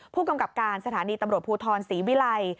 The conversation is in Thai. ผู้กำกับการสถานีตำรวจภูทรศรีวิลัย